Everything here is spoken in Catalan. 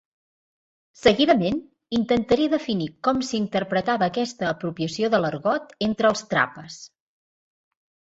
Seguidament, intentaré definir com s'interpretava aquesta apropiació de l'argot entre els Trapas.